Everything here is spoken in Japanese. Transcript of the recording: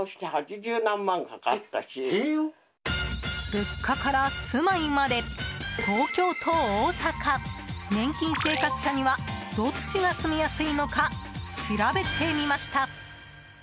物価から住まいまで東京と大阪年金生活者には、どっちが住みやすいのか調べてみました。